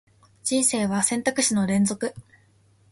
人生は選択肢の連続